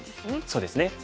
そうですね。